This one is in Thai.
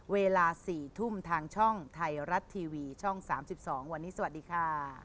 เวลา๔ทุ่มทางช่องไทยรัฐทีวีช่อง๓๒วันนี้สวัสดีค่ะ